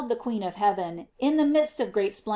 701 the Queen of Heaven, in the midst of great spleD.